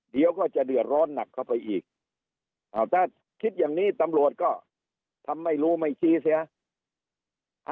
เดี๋ยวก็จะเดือดร้อนหนักเข้าไปอีกถ้าคิดอย่างนี้ตำรวจก็ทำไม่รู้ไม่ชี้เสีย